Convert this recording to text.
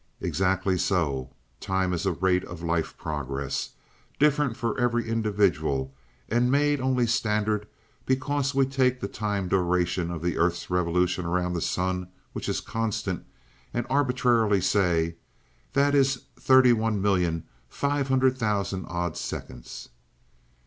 "Exactly so. Time is a rate of life progress, different for every individual and only made standard because we take the time duration of the earth's revolution around the sun, which is constant, and arbitrarily say: 'That is thirty one million five hundred thousand odd seconds.'"